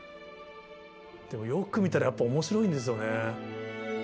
でもよく見たらやっぱ面白いんですよね。